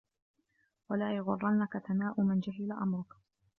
وَلَا يَغُرَّنَّك ثَنَاءٌ مَنْ جَهِلَ أَمْرَك